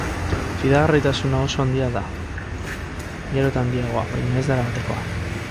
Fidagarritasuna oso handia da, gero eta handiagoa, baina ez da erabatekoa.